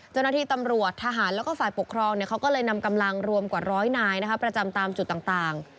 เจ้าหน้าที่ตำรวจทหารแล้วก็ฝ่ายปกครองเขาก็เลยนำกำลังรวมกว่าร้อยนายประจำตามจุดต่าง